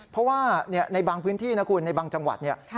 เพราะว่าในบางพื้นที่นะคุณในบางจังหวัดเนี่ย